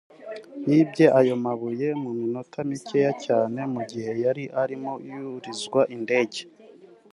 bibye ayo mabuye mu minota mike cyane mu gihe yari arimo yurizwa indege